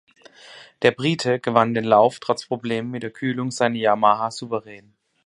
Der Brite gewann den Lauf trotz Problemen mit der Kühlung seiner Yamaha souverän.